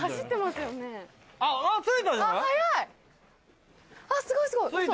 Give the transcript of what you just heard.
すごいすごい！